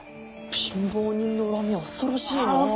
貧乏人の恨みは恐ろしいのう。